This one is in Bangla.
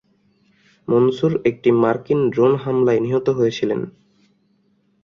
মনসুর একটি মার্কিন ড্রোন হামলায় নিহত হয়েছিলেন।